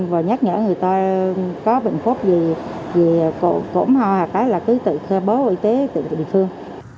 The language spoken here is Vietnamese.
và nhắc nhở người ta có bệnh phúc gì cổ mơ hoặc là cứ tự khai bó y tế từ địa phương